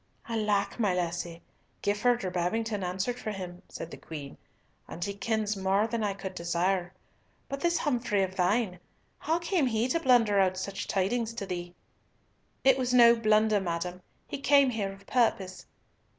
"Alack, my lassie, Gifford or Babington answered for him," said the Queen, "and he kens more than I could desire. But this Humfrey of thine! How came he to blunder out such tidings to thee?" "It was no blunder, madam. He came here of purpose."